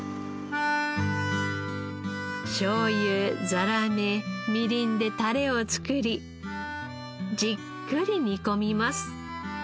しょうゆざらめみりんでタレを作りじっくり煮込みます。